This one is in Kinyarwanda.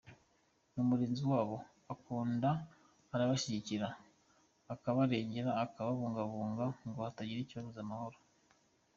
Ni umurinzi wabo akunda, arabashyigikira akabarengera, akababungabunga ngo hatagira ikibabuza amahoro.